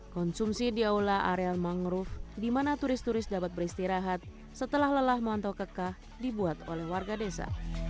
konsumsi di aula areal mangrove di mana turis turis dapat beristirahat setelah lelah mantau keka dibuat oleh warga desa